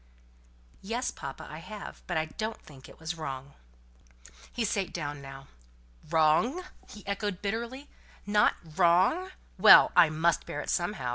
"Yes, papa, I have; but I don't think it was wrong." He sate down now. "Wrong!" he echoed, bitterly. "Not wrong? Well! I must bear it somehow.